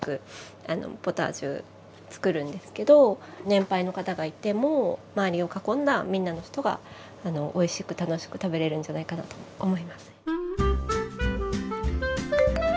年配の方がいても周りを囲んだみんなの人がおいしく楽しく食べれるんじゃないかなと思います。